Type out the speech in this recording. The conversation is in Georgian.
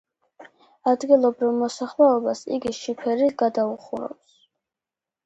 ადგილობრივ მოსახლეობას იგი შიფერით გადაუხურავს.